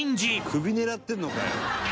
「首狙ってんのかよ」